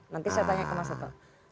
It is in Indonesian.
nanti saya tanya ke mas toto